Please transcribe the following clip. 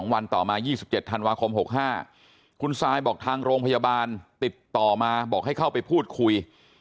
วันต่อมา๒๗ธันวาคม๖๕คุณซายบอกทางโรงพยาบาลติดต่อมาบอกให้เข้าไปพูดคุย